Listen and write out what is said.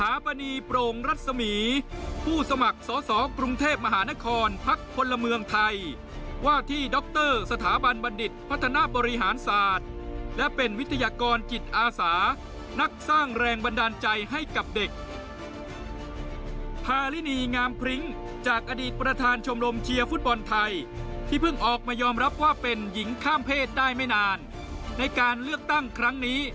อัศดายุทธ์คุณวิเศษภงแดร็คควีนตัวแม่ที่รู้จักกันในชื่อนาตาเลียเพลียแคมป์ประกาศวางมงการบริหารพักพลังท้องถิ่นไทยชูแคมป์แก้ปัญหากลุ่มเพศทางเลือกโดยตรง